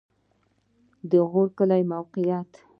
د غور کلی موقعیت